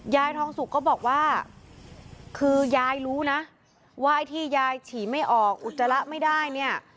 ยายทองสุกก็บอกว่าคือยายรู้นะว่าไอ้ที่ยายฉี่ไม่ออกอุจจาระไม่ได้เนี่ย